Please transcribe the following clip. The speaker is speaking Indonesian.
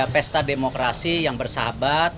pesta demokrasi yang bersahabat